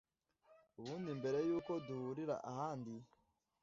Ubundi mbere yuko duhurira ahandi